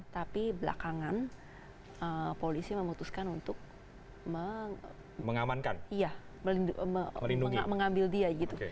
tapi belakangan polisi memutuskan untuk mengambil dia gitu